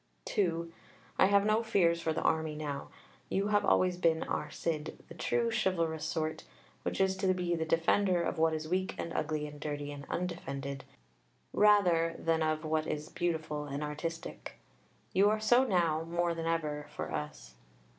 (2) I have no fears for the Army now. You have always been our "Cid" the true chivalrous sort which is to be the defender of what is weak and ugly and dirty and undefended, rather than of what is beautiful and artistic. You are so now more than ever for us.